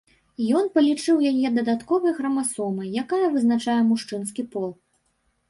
Ён палічыў яе дадатковай храмасомай, якая вызначае мужчынскі пол.